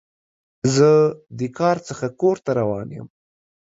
زه د کار څخه کور ته روان یم.